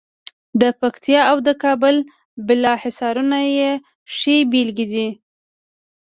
د پکتیا او د کابل بالا حصارونه یې ښې بېلګې دي.